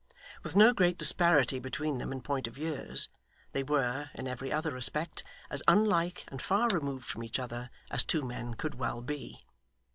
With no great disparity between them in point of years, they were, in every other respect, as unlike and far removed from each other as two men could well be.